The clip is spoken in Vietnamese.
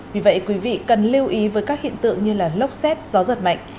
vì vậy quý vị cần lưu ý với các hiện tượng như lốc xét gió giật mạnh